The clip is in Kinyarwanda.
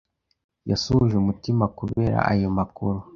Yasuhuje umutima kubera ayo makuru.